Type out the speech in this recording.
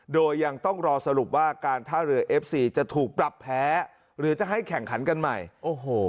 โดยยังต้องรอสรุปว่าการท่าเรือเอฟซีจะถูกปรับแพ้หรือจะให้แข่งขันกันใหม่โอ้โห